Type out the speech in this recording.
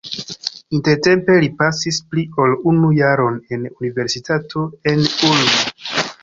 Intertempe li pasis pli ol unu jaron en universitato en Ulm.